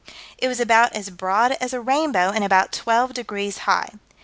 It was about as broad as a rainbow, and about twelve degrees high.